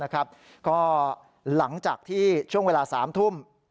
ก็หลังจากที่ช่วงเวลา๓ทุ่ม